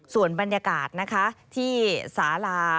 ส่วนบรรยากาศที่สารา